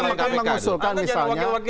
mereka mengusulkan misalnya